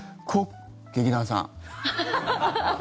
劇団さん。